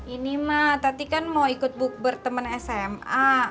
ini ma tati kan mau ikut book bertemen sma